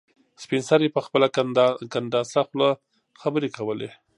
سپین سرې په خپله کنډاسه خوله خبرې کولې.